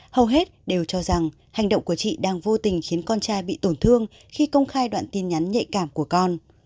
hầu hết đều cho rằng hành động của chị đang vô tình khiến con trai bị tổn thương khi công khai đoạn tin nhắn nhạy cảm của con